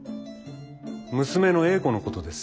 娘の英子のことです。